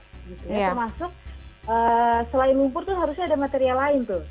termasuk selain lumpur itu harusnya ada material lain tuh